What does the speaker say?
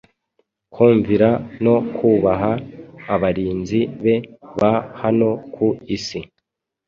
kumvira no kubaha abarinzi be ba hano ku isi.